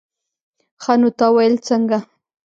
ښه نو تا ويل څنگه.